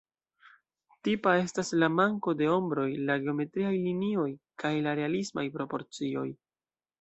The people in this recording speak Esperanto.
Tipa estas la manko de ombroj, la geometriaj linioj, kaj la realismaj proporcioj.